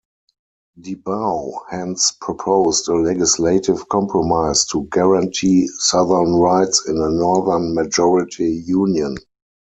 DeBow hence proposed a legislative compromise to guarantee southern rights in a northern-majority Union.